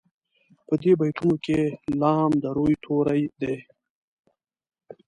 په دې بیتونو کې لام د روي توری دی.